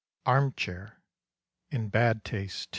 ARMCHAIR. (In Bad Taste, 2.)